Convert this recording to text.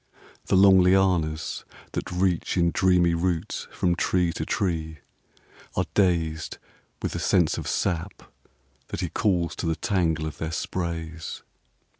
III The long lianas that reach in dreamy rout from tree to tree Are dazed with the sense of sap that he calls to the tangle of their sprays.